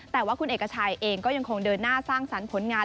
แต่ว่าคุณเอกชัยเองก็ยังคงเดินหน้าสร้างสรรค์ผลงาน